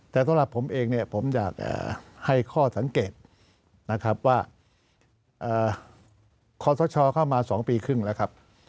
แต่สำหรับผมเองเนี่ยผมอยากให้ข้อสังเกตนะครับว่าคอสชเข้ามา๒ปีครึ่งแล้วครับ